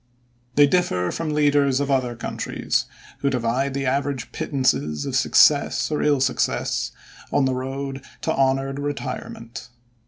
They differ from leaders of other countries, who divide the average pittances of success or ill success on the road to honored retirement.